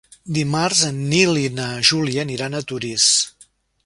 Dimarts en Nil i na Júlia aniran a Torís.